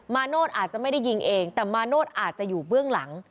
โนธอาจจะไม่ได้ยิงเองแต่มาโนธอาจจะอยู่เบื้องหลัง